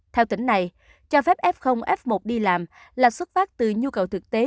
theo tỉnh này cho phép f f một đi làm là xuất phát từ nhu cầu thực tế